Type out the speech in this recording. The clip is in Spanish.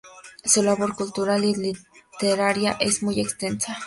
Su labor cultural y literaria es muy extensa.